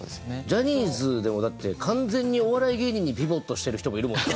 ジャニーズでもだって完全にお笑い芸人にピボットしてる人もいるもん。